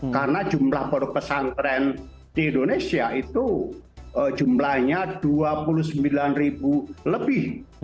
karena jumlah modok pesantren di indonesia itu jumlahnya dua puluh sembilan lebih